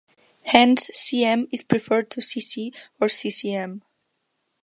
Hence cm is preferred to cc or ccm.